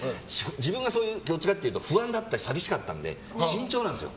自分がどっちかっていうと不安だったり寂しかったんで慎重なんですよ。